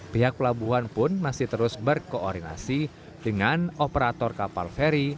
pihak pelabuhan pun masih terus berkoordinasi dengan operator kapal feri